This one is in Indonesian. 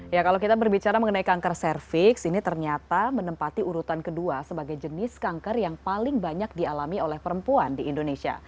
ya kalau kita berbicara mengenai kanker cervix ini ternyata menempati urutan kedua sebagai jenis kanker yang paling banyak dialami oleh perempuan di indonesia